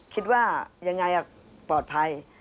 คิดว่ายังไงปลอดภัย